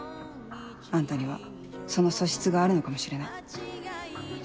あんたにはその素質があるのかもしれない。